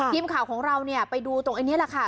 พิมข่าวของเราไปดูตรงนี้แหละค่ะ